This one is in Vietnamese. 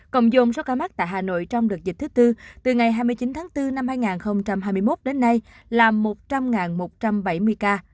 cộng dồn số ca mắc tại hà nội trong đợt dịch thứ tư từ ngày hai mươi chín tháng bốn năm hai nghìn hai mươi một đến nay là một trăm linh một trăm bảy mươi ca